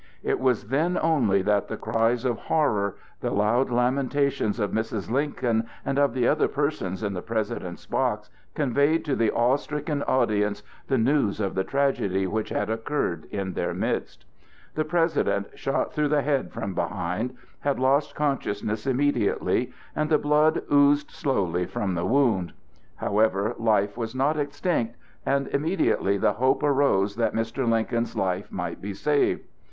It was then only that the cries of horror, the loud lamentations of Mrs. Lincoln and of the other persons in the President's box conveyed to the awe stricken audience the news of the tragedy which had occurred in their midst. The President, shot through the head from behind, had lost consciousness immediately, and the blood oozed slowly from the wound. However, life was not extinct, and immediately the hope arose that Mr. Lincoln's life might be saved.